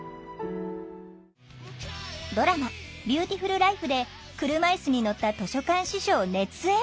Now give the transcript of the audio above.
ドラマ「ビューティフルライフ」で車いすに乗った図書館司書を熱演！